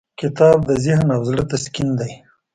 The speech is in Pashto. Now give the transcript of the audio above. کتاب د ذهن او زړه تسکین دی.